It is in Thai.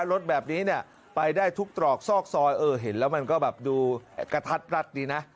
รถแบบนี้เนี่ยไปได้ทุกตรอกซอกซอยเออเห็นแล้วมันก็แบบดูกระทัดรัดดีนะ